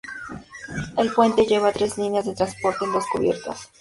El puente lleva tres líneas de transporte en dos cubiertas.